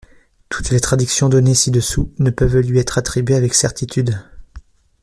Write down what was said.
Toutes les traductions données ci-dessous ne peuvent lui être attribuées avec certitude.